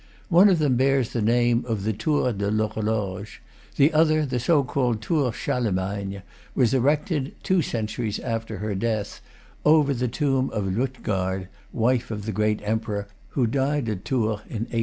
One of them bears the name of the Tour de l'Horloge; the other, the so called Tour Charle magne, was erected (two centuries after her death) over the tomb of Luitgarde, wife of the great Em peror, who died at Tours in 800.